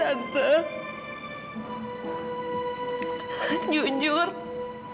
bukan karena kamu membuat alinah sesuai maksud